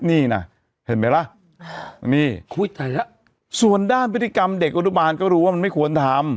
นี่น่ะเห็นไหมล่ะนี่ส่วนด้านวิธีกรรมเด็กอุตบาลก็รู้ว่ามันไม่ควรทำ